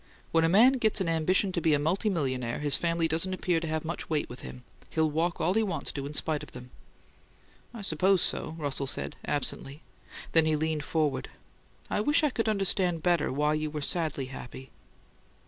"When a man gets an ambition to be a multi millionaire his family don't appear to have much weight with him. He'll walk all he wants to, in spite of them." "I suppose so," Russell said, absently; then he leaned forward. "I wish I could understand better why you were 'sadly' happy."